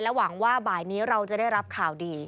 หวังว่าบ่ายนี้เราจะได้รับข่าวดี